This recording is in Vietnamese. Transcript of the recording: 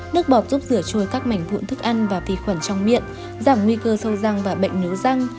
nước bọt giúp rửa trôi các mảnh vụn thức ăn và vi khuẩn trong miệng giảm nguy cơ sâu răng và bệnh nứa răng